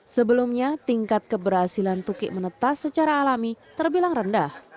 sebelumnya tingkat keberhasilan tukik menetas secara alami terbilang rendah